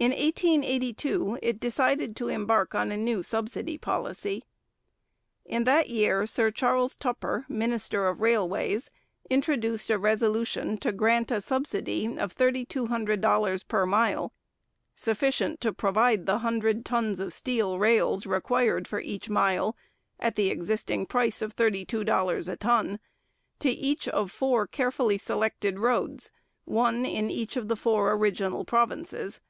In 1882 it decided to embark on a new subsidy policy. In that year Sir Charles Tupper, minister of Railways, introduced a resolution to grant a subsidy of $3200 per mile sufficient to provide the hundred tons of steel rails required for each mile at the existing price of $32 a ton to each of four carefully selected roads, one in each of the four original provinces.